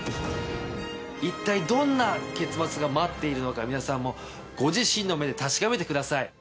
一体どんな結末が待っているのか皆さんもご自身の目で確かめてください。